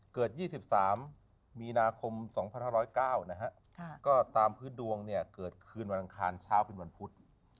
เกิด๒๓มีนาคม๒๕๐๙ตามพื้นดวงเกิดคืนวันอังคารเช้าคืนวันพุธ